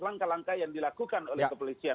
langkah langkah yang dilakukan oleh kepolisian